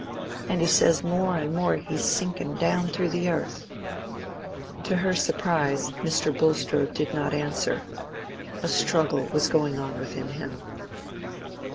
And he says more and more he's sinking down through the earth." To her surprise, Mr. Bulstrode did not answer. A struggle was going on within him.